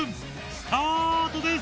スタートです！